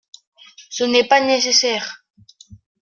Ce n’est pas nécessaire…